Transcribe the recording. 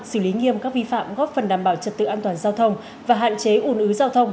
xử lý nghiêm các vi phạm góp phần đảm bảo trật tự an toàn giao thông và hạn chế ủn ứ giao thông